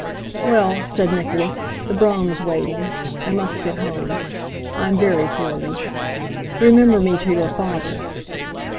"Well," said Nicholas, "the brougham's waiting; I must get home. I'm very poorly. Remember me to your father."